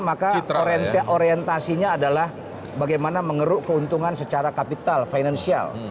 maka orientasinya adalah bagaimana mengeruk keuntungan secara kapital finansial